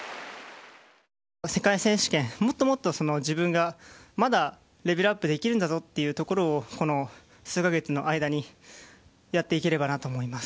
世界選手権、もっともっと自分がまだレベルアップできるんだぞというところを、数か月の間にやっていければなと思います。